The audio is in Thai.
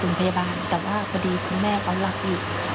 คุณพยาบาลแต่ว่าพอดีคุณแม่ก็รักอยู่